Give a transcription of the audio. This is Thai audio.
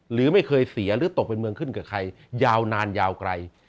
หรือไม่เคยเสียหรือตกเป็นเมืองขึ้นกับใครยาวนานยาวไกล